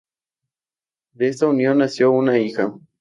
De esta unión nació una hija